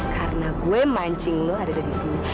karena gue mancing lo ada di sini